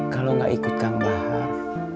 kalau gak ikut kang mahar